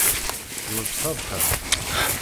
Ẓečč tadxent!